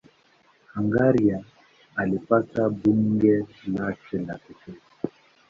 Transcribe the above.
Hungaria ilipata bunge lake la pekee.